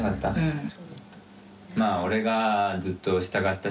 うん。